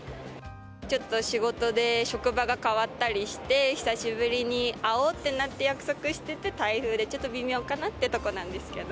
ちょっと仕事で職場が変わったりして、久しぶりに会おう！ってなって、約束してて、台風でちょっと微妙かなっていうところなんですけど。